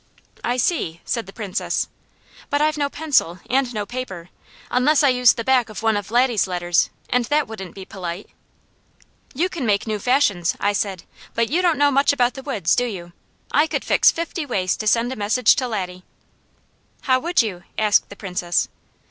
"I see," said the Princess. "But I've no pencil, and no paper, unless I use the back of one of Laddie's letters, and that wouldn't be polite." "You can make new fashions," I said, "but you don't know much about the woods, do you? I could fix fifty ways to send a message to Laddie." "How would you?" asked the Princess.